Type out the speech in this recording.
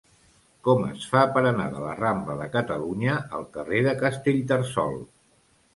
Com es fa per anar de la rambla de Catalunya al carrer de Castellterçol?